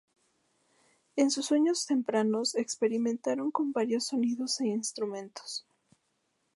En sus años tempranos experimentaron con varios sonidos e instrumentos.